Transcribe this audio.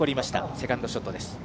セカンドショットです。